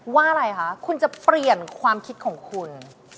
ว่าอะไรคะคุณจะเปลี่ยนความคิดของคุณ